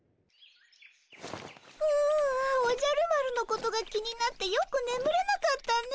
ああおじゃる丸のことが気になってよくねむれなかったね。